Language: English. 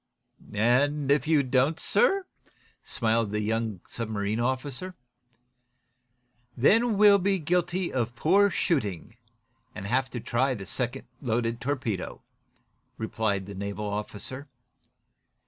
"And, if you don't, sir ?" smiled the young submarine skipper. "Then we'll be guilty of poor shooting, and have to try the second loaded torpedo," replied the naval officer.